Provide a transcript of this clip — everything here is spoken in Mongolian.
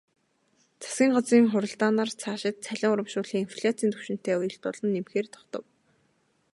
Засгийн газрын хуралдаанаар цаашид цалин урамшууллыг инфляцын түвшинтэй уялдуулан нэмэхээр тогтов.